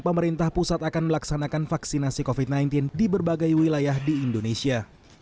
pemerintah pusat akan melaksanakan vaksinasi covid sembilan belas di berbagai wilayah di indonesia